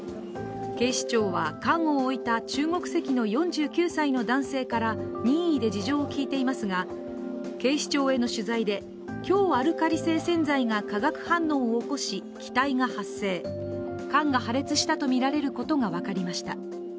警視庁は缶を置いた中国籍の４９歳の男性から任意で事情を聴いていますが警視庁への取材で強アルカリ性洗剤が化学反応を起こし気体が発生、缶が破裂したとみられることが分かりました。